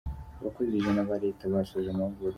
Abakozi ijana ba leta basoje amahugurwa